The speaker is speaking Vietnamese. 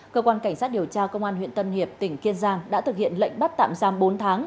cơ quan cảnh sát điều tra công an huyện tân hiệp tỉnh kiên giang đã thực hiện lệnh bắt tạm giam bốn tháng